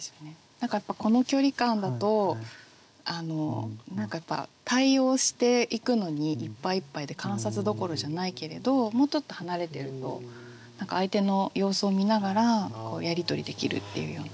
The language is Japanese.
何かやっぱこの距離感だと対応していくのにいっぱいいっぱいで観察どころじゃないけれどもうちょっと離れてると相手の様子を見ながらやり取りできるっていうような。